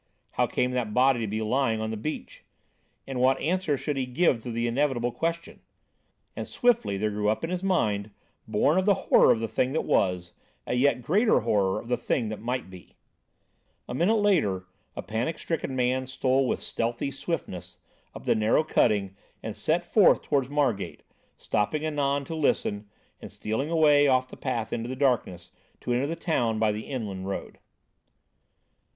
How came that body to be lying on the beach? And what answer should he give to the inevitable questions? And swiftly there grew up in his mind, born of the horror of the thing that was, a yet greater horror of the thing that might be. A minute later, a panic stricken man stole with stealthy swiftness up the narrow cutting and set forth towards Margate, stopping anon to listen, and stealing away off the path into the darkness, to enter the town by the inland road.